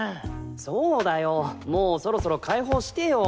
そうだよもうそろそろ解放してよ。